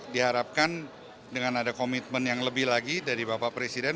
diharapkan dengan ada komitmen yang lebih lagi dari bapak presiden